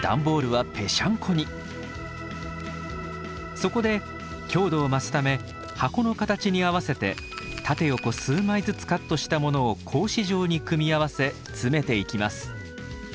そこで強度を増すため箱の形に合わせて縦横数枚ずつカットしたものを格子状に組み合わせ詰めていきます。